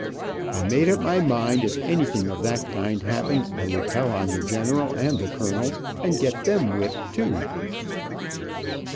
I made up my mind if anything of that kind happened I would tell on the general and the colonel, and get them whipped, too.